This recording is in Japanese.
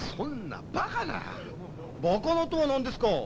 バカなとは何ですか。